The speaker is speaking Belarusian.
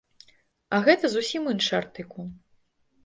А гэта зусім іншы артыкул.